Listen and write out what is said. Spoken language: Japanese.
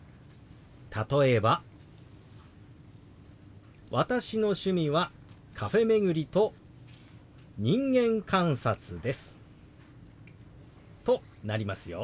例えば「私の趣味はカフェ巡りと人間観察です」となりますよ。